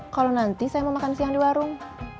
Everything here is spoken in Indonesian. kalau nanti saya mau makan siang di warung